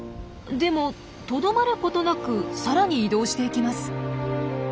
でもとどまることなくさらに移動していきます。